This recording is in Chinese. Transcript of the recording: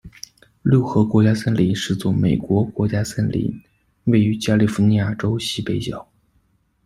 六河国家森林是座美国国家森林，位于加利福尼亚州西北角。